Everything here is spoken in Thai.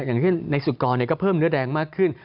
อย่างเช่นในสุกรก็เพิ่มเนื้อแดงมากขึ้น